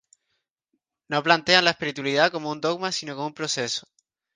No plantean la espiritualidad como un dogma, sino como un proceso.